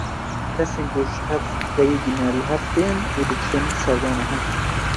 Kesên ku ji hev xeyidîne li hev tên û diçin serdana hev.